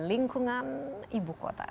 lingkungan ibu kota